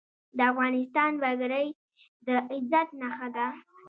د افغانستان پګړۍ د عزت نښه ده